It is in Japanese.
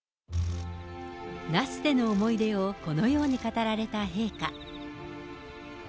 那須での思い出をこのように語られた陛下。